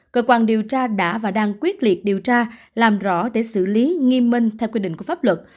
cơ quan điều tra đã và đang quyết liệt điều tra làm rõ để xử lý nghiêm minh theo quy định của pháp luật